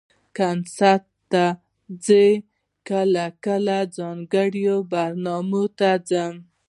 کنسرټ ته ځئ؟ کله کله، ځانګړو برنامو ته ځم